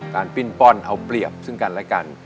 ปิ้นป้อนเอาเปรียบซึ่งกันและกัน